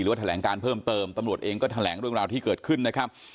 ว่าแถลงการเพิ่มเติมตำรวจเองก็แถลงเรื่องราวที่เกิดขึ้นนะครับ